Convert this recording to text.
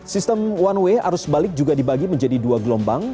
sistem one way arus balik juga dibagi menjadi dua gelombang